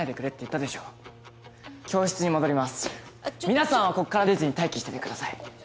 皆さんはここから出ずに待機しててください。